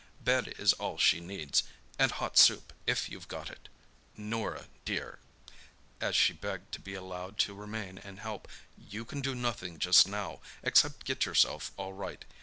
"Bed is all she needs—and hot soup, if you've got it. Norah, dear"—as she begged to be allowed to remain and help—"you can do nothing just now, except get yourself all right.